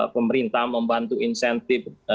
pemerintah membantu insentif